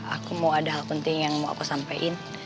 aku mau ada hal penting yang mau aku sampein